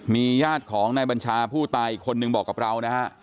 มีญาติของนายบัญชาผู้ตายอีกคนนึงบอกกับเรานะฮะ